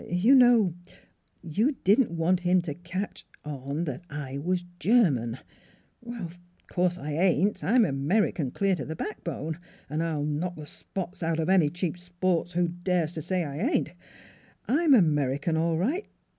You know? You didn't want him to catch on that I was German. ... Of course I ain't! I'm American clear to the backbone; and I'll knock the spots out of any cheap sport who dares to say I ain't. I'm American all right.